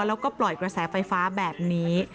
แล้วก็ปล่อยกระแสไฟฟ้าแบบนี้